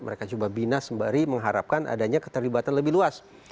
mereka coba bina sembari mengharapkan adanya keterlibatan lebih luas